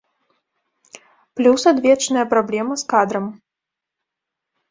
Плюс адвечная праблема з кадрам.